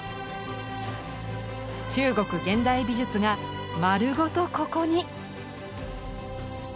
中国現代美術が丸ごとここに！